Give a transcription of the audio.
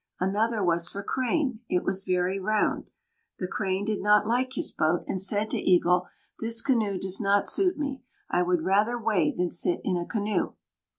Another was for Crane. It was very round. The Crane did not like his boat, and said to Eagle: "This canoe does not suit me. I would rather wade than sit in a canoe."